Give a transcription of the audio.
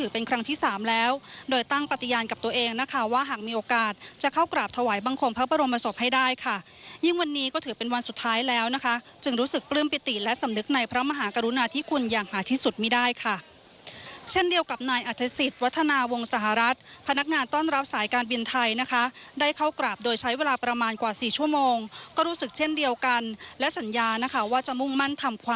เป็นครั้งที่๓แล้วโดยตั้งปัตยานกับตัวเองนะคะว่าหากมีโอกาสจะเข้ากราบถวายบังคมพระบรมศพให้ได้ค่ะยิ่งวันนี้ก็ถือเป็นวันสุดท้ายแล้วนะคะจึงรู้สึกปลื้มปิติและสำนึกในพระมหากรุณาธิคุณอย่างมากที่สุดไม่ได้ค่ะเช่นเดียวกับนายอาธิสิทธิ์วัฒนาวงศาหรัฐพนักงานต้อนรับสายการ